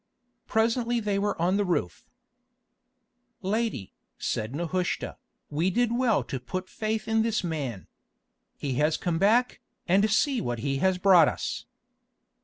Presently they were on the roof. "Lady," said Nehushta, "we did well to put faith in this man. He has come back, and see what he has brought us."